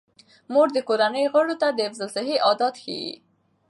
مور د کورنۍ غړو ته د حفظ الصحې عادات ښيي.